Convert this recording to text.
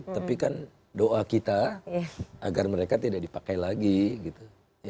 tapi kan doa kita agar mereka tidak dipakai lagi gitu